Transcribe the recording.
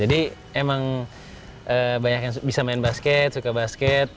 jadi emang banyak yang bisa main basket suka basket